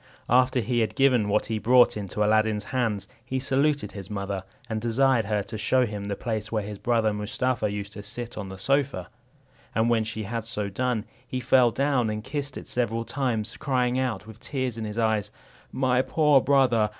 After he had given what he brought into Aladdin's hands, he saluted his mother, and desired her to show him the place where his brother Mustapha used to sit on the sofa; and when she had so done, he fell down and kissed it several times, crying out, with tears in his eyes, "My poor brother!